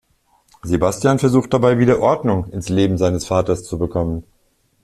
Sebastian versucht dabei wieder Ordnung ins Leben seines Vaters zu bekommen.